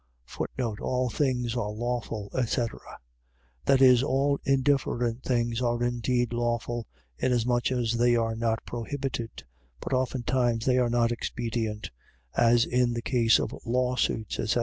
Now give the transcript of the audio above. All things are lawful, etc. . .That is, all indifferent things are indeed lawful, inasmuch as they are not prohibited; but oftentimes they are not expedient; as in the case of lawsuits, etc.